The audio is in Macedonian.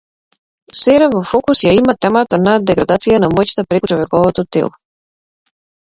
Сера во фокус ја има темата на деградација на моќта преку човековото тело.